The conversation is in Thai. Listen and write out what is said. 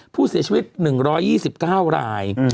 ผู้เสียชีวิต๑๒๙ราย